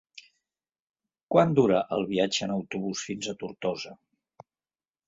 Quant dura el viatge en autobús fins a Tortosa?